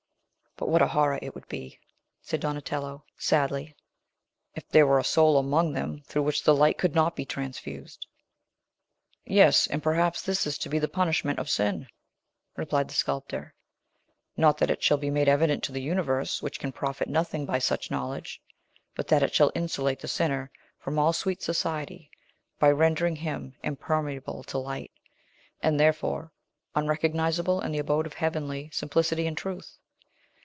"But what a horror it would be," said Donatello sadly, "if there were a soul among them through which the light could not be transfused!" "Yes; and perhaps this is to be the punishment of sin," replied the sculptor; "not that it shall be made evident to the universe, which can profit nothing by such knowledge, but that it shall insulate the sinner from all sweet society by rendering him impermeable to light, and, therefore, unrecognizable in the abode of heavenly simplicity and truth.